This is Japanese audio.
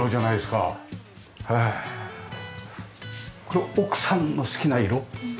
これ奥さんの好きな色？